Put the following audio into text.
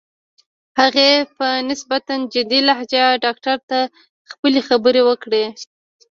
هغې په نسبتاً جدي لهجه ډاکټر ته خپلې خبرې وکړې.